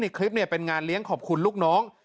คลิปเป็นงานเลี้ยงขอบคุณลูกน้อง